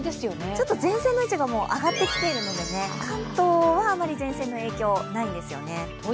ちょっと前線の位置が上がっているので、関東は前線の影響あまりないんですよね。